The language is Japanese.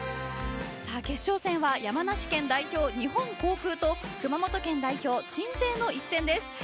決勝戦は山梨県代表・日本航空と熊本県代表・鎮西の一戦です。